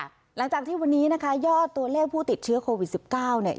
หลังจากที่วันนี้นะคะยอดตัวเลขผู้ติดเชื้อโควิด๑๙เนี่ย